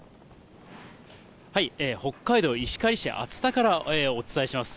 北海道石狩市厚田からお伝えします。